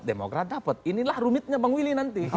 demokrat dapat inilah rumitnya bang willy nanti